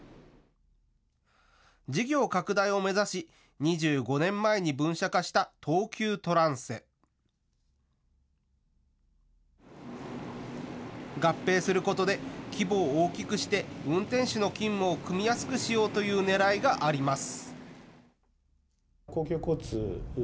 事業拡大を目指し、２５年前に分社化した東急トランセ。合併することで規模を大きくして運転手の勤務を組みやすくしようというねらいがあります。